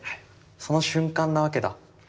その瞬間なわけだ。